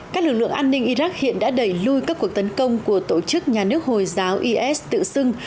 các lực lượng an ninh iraq hiện đã đẩy lùi các cuộc tấn công của tổ chức nhà nước hồi giáo is tự xưng